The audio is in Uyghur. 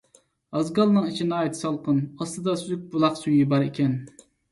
ئازگالنىڭ ئىچى ناھايىتى سالقىن، ئاستىدا سۈزۈك بۇلاق سۈيى بار ئىكەن.